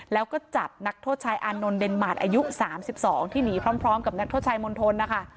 แล้วก็จับนักโทษชายอานนท์เดนมาร์ทอายุ๓๒ที่หนีพร้อมกับนักโทษชายมณฑลนะคะ